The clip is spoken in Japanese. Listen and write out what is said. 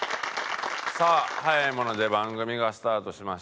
さあ早いもので番組がスタートしまして半年。